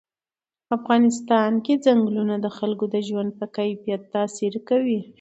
په افغانستان کې چنګلونه د خلکو د ژوند په کیفیت تاثیر کوي.